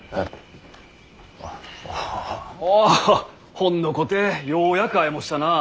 ほんのこてようやく会えもしたな。